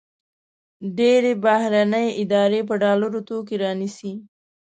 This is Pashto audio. ډېری بهرني ادارې په ډالرو توکي رانیسي.